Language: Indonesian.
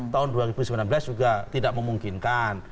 tahun dua ribu sembilan belas juga tidak memungkinkan